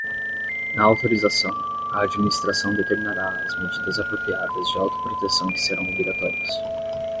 Na autorização, a Administração determinará as medidas apropriadas de autoproteção que serão obrigatórias.